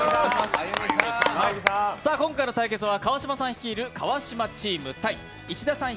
今回の対決は川島さん率いる川島さんチーム対石田さん